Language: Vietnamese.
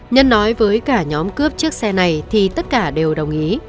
nhân nói với cả nhóm cướp chiếc xe này thì tất cả đều đồng ý